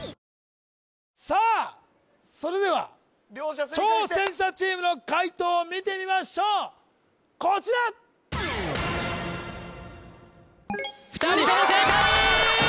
さあそれでは挑戦者チームの解答を見てみましょうこちら２人とも正解！